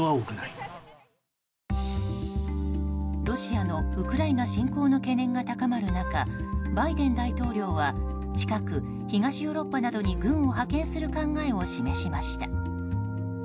ロシアのウクライナ侵攻の懸念が高まる中バイデン大統領は近く、東ヨーロッパなどに軍を派遣する考えを示しました。